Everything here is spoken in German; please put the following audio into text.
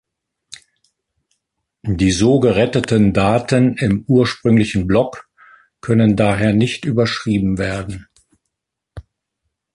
Die so geretteten Daten im ursprünglichen Block können daher nicht überschrieben werden.